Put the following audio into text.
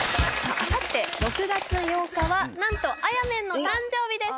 あさって６月８日は何とあやめんの誕生日です！